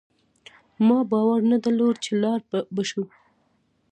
ما باور نه درلود چي لاړ به شو